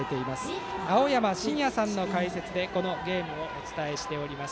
青山眞也さんの解説でこのゲームをお伝えしています。